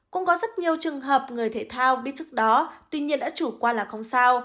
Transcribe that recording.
cũng có rất nhiều trường hợp người thể thao biết trước đó tuy nhiên đã chủ quan là không sao